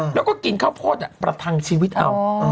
แล้วก็กินข้าวโพดประทังชีวิตเอา